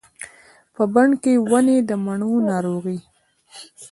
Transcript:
په بڼ کې ونې د مڼو، ناروغې